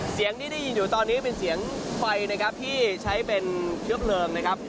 เสียงที่ได้ยินอยู่ตอนนี้เป็นเสียงไฟนะครับที่ใช้เป็นเชื้อเพลิงนะครับ